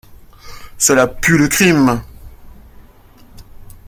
Cela pue le crime!